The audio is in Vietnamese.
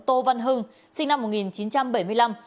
tô văn hưng sinh năm một nghìn chín trăm bảy mươi năm